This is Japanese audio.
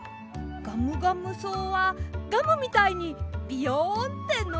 ガムガムそうはガムみたいにビヨンってのびます。